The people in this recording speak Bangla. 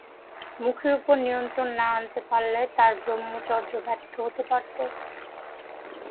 মুখের উপর নিয়ন্ত্রণ না আনতে পারলে তার ব্রহ্মচর্য ব্যর্থ হতে পারত।